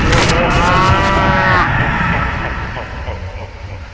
เอาไว้เล็กแม่ง